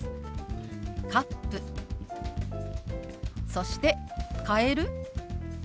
そして「変える？」。